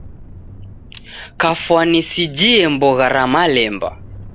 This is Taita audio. Kafwani sijie mbogha ra malemba.